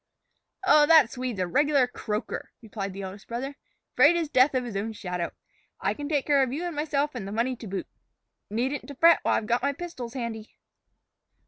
"Oh, that Swede's a regular croaker," replied the eldest brother. "'Fraid as death of his own shadow. I can take care of you and myself and the money to boot. Needn't to fret while I've got my pistols handy."